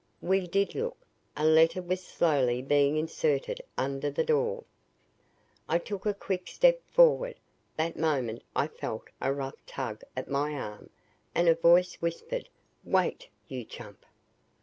We did look. A letter was slowly being inserted under the door. I took a quick step forward. That moment I felt a rough tug at my arm, and a voice whispered, "Wait you chump!"